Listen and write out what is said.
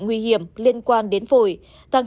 nguy hiểm liên quan đến phổi tăng